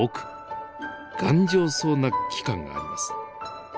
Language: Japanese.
頑丈そうな器官があります。